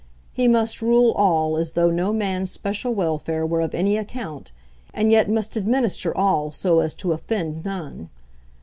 He must rule all as though no man's special welfare were of any account, and yet must administer all so as to offend none.